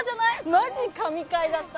マジ神回だった！